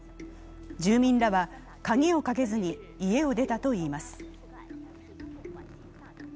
住民らは鍵をかけずに家を出たといいます。